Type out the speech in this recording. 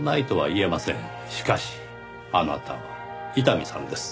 しかしあなたは伊丹さんです。